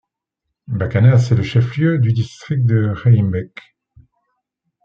Bakanas est le chef-lieu du District de Raiymbek.